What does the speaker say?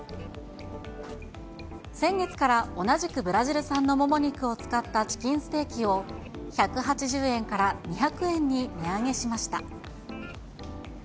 先月から同じくブラジル産のもも肉を使ったチキンステーキを、１８０円から２００円に値上げしました。